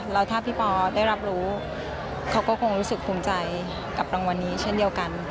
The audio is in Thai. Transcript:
แล้วถ้าพี่ปอได้รับรู้เขาก็คงรู้สึกภูมิใจกับรางวัลนี้เช่นเดียวกัน